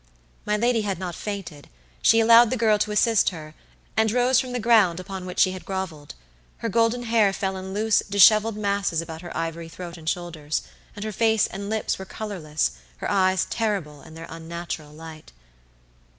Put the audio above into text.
My lady had not fainted; she allowed the girl to assist her, and rose from the ground upon which she had groveled. Her golden hair fell in loose, disheveled masses about her ivory throat and shoulders, her face and lips were colorless, her eyes terrible in their unnatural light.